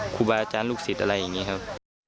ครูบาอาจารย์ลูกศิษย์อะไรอย่างนี้ครับ